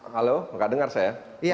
halo enggak dengar saya